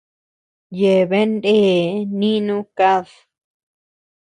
Yeabean ndee nínu kad.